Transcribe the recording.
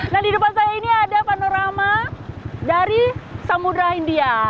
nah di depan saya ini ada panorama dari samudera india